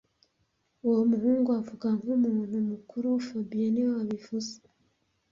Uwo muhungu avuga nkumuntu mukuru fabien niwe wabivuze